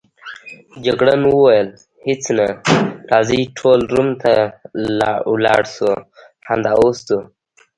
جګړن وویل: هیڅ نه، راځئ ټول روم ته ولاړ شو، همدا اوس ځو.